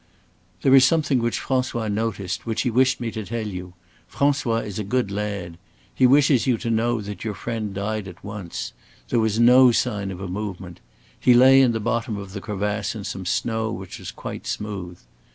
"There is something which François noticed, which he wished me to tell you. François is a good lad. He wishes you to know that your friend died at once there was no sign of a movement. He lay in the bottom of the crevasse in some snow which was quite smooth.